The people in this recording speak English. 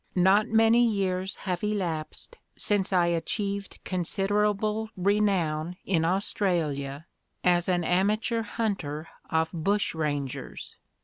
Not many years have elapsed since I achieved considerable renown in Australia as an amateur hunter of bushrangers.